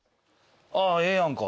あっええやんか。